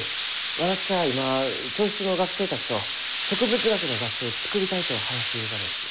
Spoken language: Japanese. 私は今教室の学生たちと植物学の雑誌を作りたいと話しゆうがです。